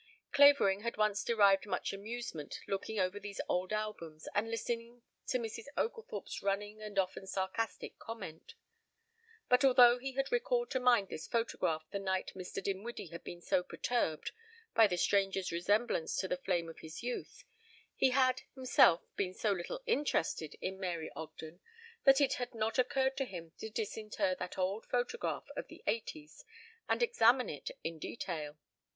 Clavering had once derived much amusement looking over these old albums and listening to Mrs. Oglethorpe's running and often sarcastic comment; but although he had recalled to mind this photograph the night Mr. Dinwiddie had been so perturbed by the stranger's resemblance to the flame of his youth, he had, himself, been so little interested in Mary Ogden that it had not occurred to him to disinter that old photograph of the eighties and examine it in detail.